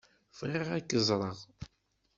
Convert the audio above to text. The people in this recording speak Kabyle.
Bɣiɣ ad k-ẓṛeɣ.